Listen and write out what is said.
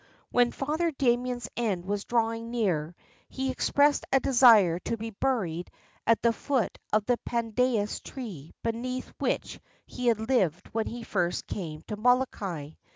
When Father Damien's end was drawing near, he expressed a desire to be buried at the foot of the pan danus tree beneath which he had lived when he first came to Molokai.